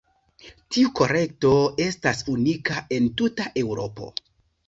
Tiu kolekto estas unika en tuta Eŭropo.